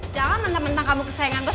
jangan mentang mentang kamu kesayangan bos